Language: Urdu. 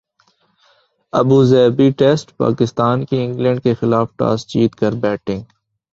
ابوظہبی ٹیسٹپاکستان کی انگلینڈ کیخلاف ٹاس جیت کر بیٹنگ